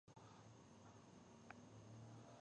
دا ټول توکي په بازار کې د پلورلو لپاره تولیدېږي